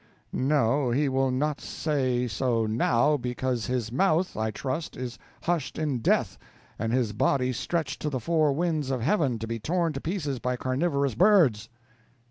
No, he will not say so now, because his mouth, I trust, is hushed in death, and his body stretched to the four winds of heaven, to be torn to pieces by carnivorous birds.